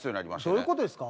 どういうことですか？